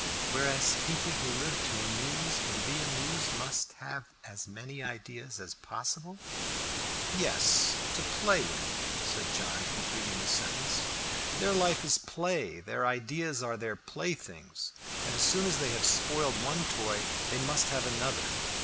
"Whereas people who live to amuse and be amused must have as many ideas as possible." "Yes, to play with," said John, completing the sentence. "Their life is play, their ideas are their playthings, and so soon as they have spoiled one toy they must have another.